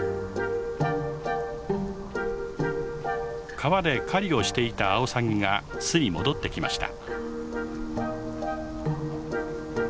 川で狩りをしていたアオサギが巣に戻ってきました。